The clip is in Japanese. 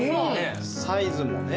サイズもね。